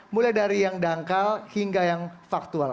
mulai dari yang dangkal hingga yang faktual